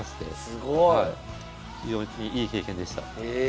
すごい！非常にいい経験でした。